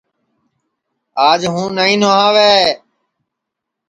آج ہوں نائی نھواوے